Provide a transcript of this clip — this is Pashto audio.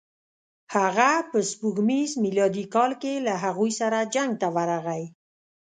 هغه په سپوږمیز میلادي کال کې له هغوی سره جنګ ته ورغی.